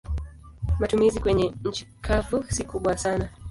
Matumizi kwenye nchi kavu si kubwa sana.